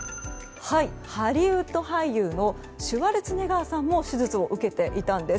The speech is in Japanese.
ハリウッド俳優のシュワルツェネッガーさんも手術を受けていたんです。